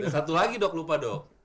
satu lagi dok lupa dok